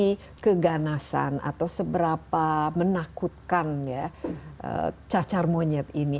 jadi keganasan atau seberapa menakutkan ya cacar monyet ini